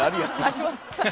あります。